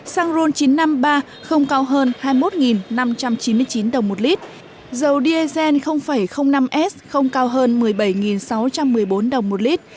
xăng e năm chín mươi năm ba không cao hơn hai mươi một năm trăm chín mươi chín đồng một lít dầu diesel năm s không cao hơn một mươi bảy sáu trăm một mươi bốn đồng một lít